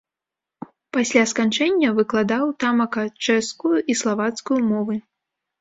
Пасля сканчэння выкладаў тамака чэшскую і славацкую мовы.